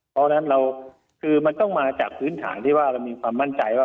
เพราะฉะนั้นเราคือมันต้องมาจากพื้นฐานที่ว่าเรามีความมั่นใจว่า